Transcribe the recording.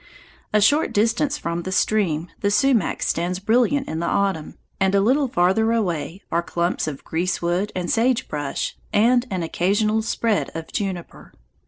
A short distance from the stream the sumac stands brilliant in the autumn, and a little farther away are clumps of greasewood and sagebrush and an occasional spread of juniper.